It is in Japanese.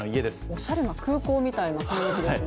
おしゃれな空港みたいな雰囲気ですね。